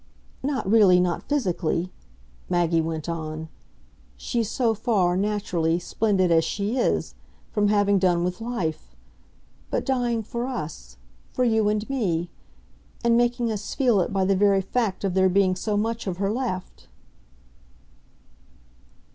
Not really, not physically," Maggie went on "she's so far, naturally, splendid as she is, from having done with life. But dying for us for you and me; and making us feel it by the very fact of there being so much of her left."